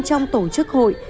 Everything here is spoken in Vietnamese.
trong tổ chức hội